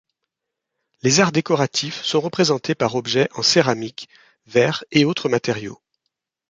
Les arts décoratifs sont représentés par objets en céramique, verre et autres matériaux.